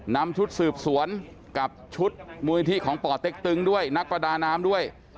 นำชุดสืบสวนกับชุดมูลนิธิของป่อเต็กตึงด้วยนักประดาน้ำด้วย